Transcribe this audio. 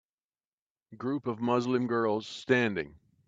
Group of muslim Girls Standing.